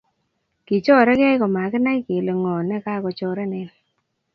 Kichoregei komakinai kele ng'o ne kakochorenen.